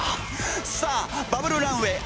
さあバブルランウェイ